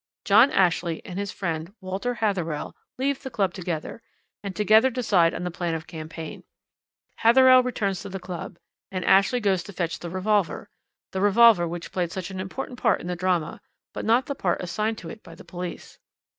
"John Ashley and his friend Walter Hatherell leave the club together, and together decide on the plan of campaign. Hatherell returns to the club, and Ashley goes to fetch the revolver the revolver which played such an important part in the drama, but not the part assigned to it by the police.